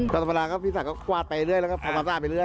ธรรมดาพี่สัยก็กวาดไปเรื่อยแล้วก็พอมาสร้างไปเรื่อย